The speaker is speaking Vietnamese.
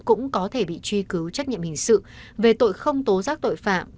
cũng có thể bị truy cứu trách nhiệm hình sự về tội không tố giác tội phạm